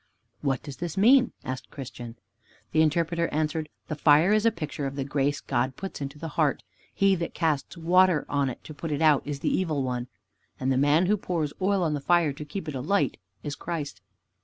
"What does this mean?" asked Christian. The Interpreter answered, "The fire is a picture of the grace God puts into the heart. He that casts water on it to put it out is the Evil One. And the man who pours oil on the fire to keep it alight is Christ."